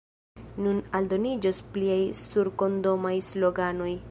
Nun aldoniĝos pliaj surkondomaj sloganoj.